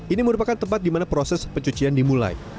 ini merupakan tempat di mana proses pencucian dimulai